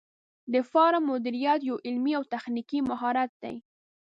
د فارم مدیریت یو علمي او تخنیکي مهارت دی.